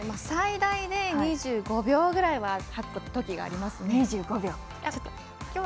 最大で２５秒ぐらいは掃くときがありますね。